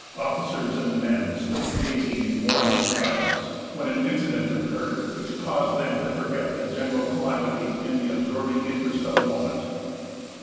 Officers and men stood gazing in mournful silence, when an incident occurred which caused them to forget the general calamity in the absorbing interest of the moment.